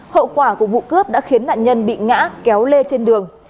hậu quả của vụ cướp đã khiến nạn nhân bị ngã kéo lê trên đường